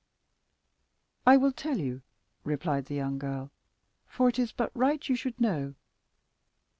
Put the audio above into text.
"I will tell you," replied the young girl, "for it is but right you should know.